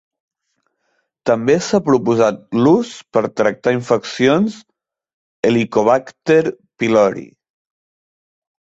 També s'ha proposat l'ús per tractar infeccions "Helicobacter pylori".